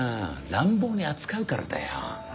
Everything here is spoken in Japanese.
乱暴に扱うからだよ。